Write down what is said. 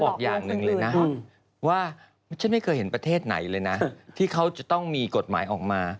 บอกอย่างหนึ่งเลยนะว่าฉันไม่เคยเห็นประเทศไหนเลยนะที่เขาจะต้องมีกฎหมายออกมา